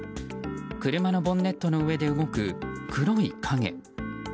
車のボンネットの上で動く黒い影。